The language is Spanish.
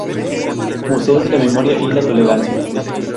Museo de la Memoria y la Tolerancia.